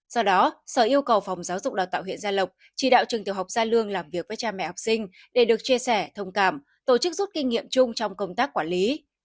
do đó sở yêu cầu phòng giáo dục đào tạo huyện gia lộc chỉ đạo trường tiểu học gia lương làm việc với cha mẹ học sinh để được chia sẻ thông cảm tổ chức rút kinh nghiệm chung trong công tác quản lý